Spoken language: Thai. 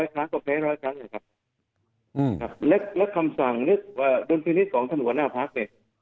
ก็แพ้ร้อยครั้งนะครับและคำสั่งนึกว่าดนตรีนิตของท่านหัวหน้าพักเนี่ย